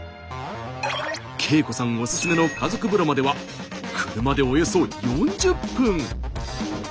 圭子さんおすすめの家族風呂までは車でおよそ４０分。